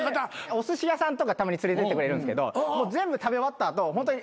おすし屋さんとかたまに連れてってくれるんですけど全部食べ終わった後こぼれたやつで